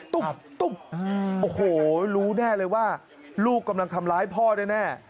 ตุ๊บตุ๊บโอ้โหรู้แน่เลยว่าลูกกำลังทำร้ายพ่อแน่